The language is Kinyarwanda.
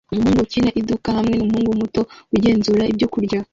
Umugore ukina iduka hamwe numuhungu muto ugenzura ibyo kurya